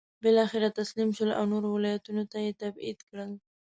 بالاخره تسلیم شول او نورو ولایتونو ته یې تبعید کړل.